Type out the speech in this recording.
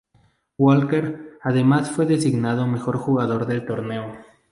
Walker además fue designado mejor jugador del torneo.